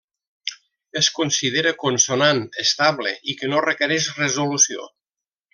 Es considera consonant, estable, i que no requereix resolució.